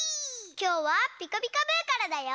きょうは「ピカピカブ！」からだよ。